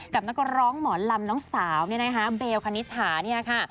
กับนักร้องหมอนลำน้องสาวนี่นะคะเบลคณิตหานี่นะคะ